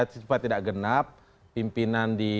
supaya tidak genap pimpinan di